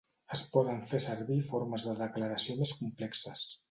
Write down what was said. Es poden fer servir formes de declaració més complexes.